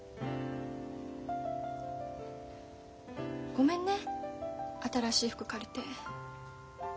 ごめんね新しい服借りて。